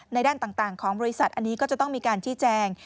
ด้านต่างของบริษัทอันนี้ก็จะต้องมีการชี้แจง